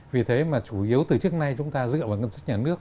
vì thế mà chủ yếu từ trước nay chúng ta dựa vào ngân sách nhà nước